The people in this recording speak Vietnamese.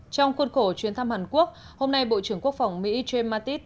trong cuốn cổ chuyến thăm hàn quốc hôm nay bộ trưởng quốc phòng mỹ jim mattis